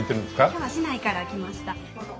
今日は市内から来ました。